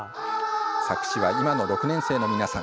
作詞は今の６年生の皆さん。